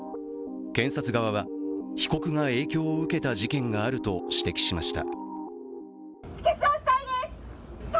検察側は、被告が影響を受けた事件があると指摘しました。